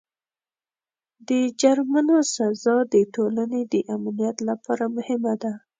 د جرمونو سزا د ټولنې د امنیت لپاره مهمه ده.